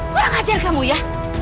kurang ajar kamu ya